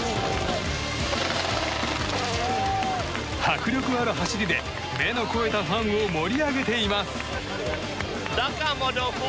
迫力ある走りで目の肥えたファンを盛り上げています。